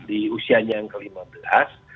di usianya yang kelima belas